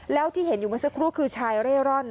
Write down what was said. แล้วที่เห็นอยู่เมื่อสักครู่คือชายเร่ร่อน